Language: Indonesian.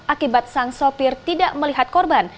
akibat sang sopir tidak melihat korban